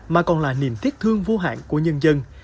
mà còn là niềm tiếc thương vô hạn của nhân dân